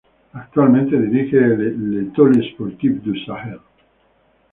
Actualmente dirige al Étoile Sportive du Sahel.